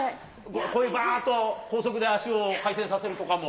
こういうばーっと、高速で足を回転させるとかも？